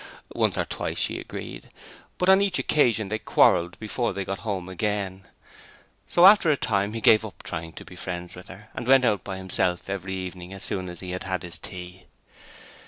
Once or twice she agreed, but on each occasion, they quarrelled before they got home again. So after a time he gave up trying to be friends with her and went out by himself every evening as soon as he had had his tea.